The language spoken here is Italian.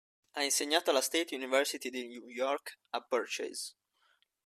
Ha insegnato alla State University di New York a Purchase.